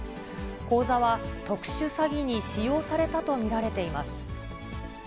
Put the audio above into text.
口座は特殊詐欺に使用されたと見られています。